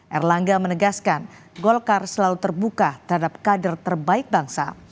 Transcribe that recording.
erlangga menegaskan golkar selalu terbuka terhadap kader terbaik bangsa